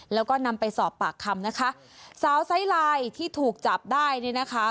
แล้วก็นำไปสอบปากคำนะคะสาวไซไลน์ที่ถูกจับได้เนี่ยนะคะ